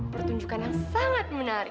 pertunjukan yang sangat menarik